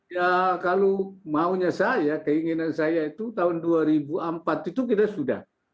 ya kalau maunya saya keinginan saya itu tahun dua ribu empat itu kita sudah